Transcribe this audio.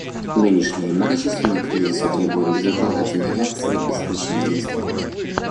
Нынешние многочисленные кризисы требуют безотлагательной реакции и срочных действий.